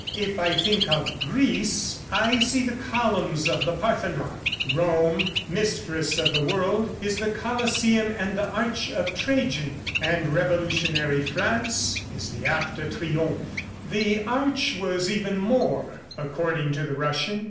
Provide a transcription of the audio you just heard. If I think of Greece, I see the columns of the Parthenon; Rome, Mistress of the World, is the Coliseum and the Arch of Trajan; and revolutionary France is the Arc de Triomphe." The Arch was even more, according to the Russian.